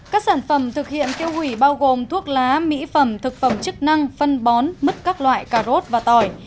các sản phẩm thực hiện tiêu hủy bao gồm thuốc lá mỹ phẩm thực phẩm chức năng phân bón mứt các loại cà rốt và tỏi